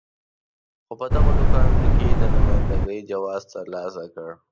خو په دغو دوکانونو کې یې د نماینده ګۍ جواز ترلاسه نه کړ.